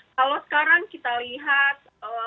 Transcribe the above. kalau sekarang kita lihat